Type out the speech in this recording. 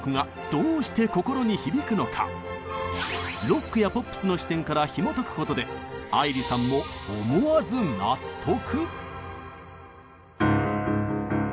ロックやポップスの視点からひもとくことで愛理さんも思わず納得。